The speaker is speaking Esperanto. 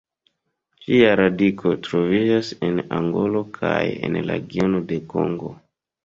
Ĝiaj radikoj troviĝas en Angolo kaj en la regiono de Kongo.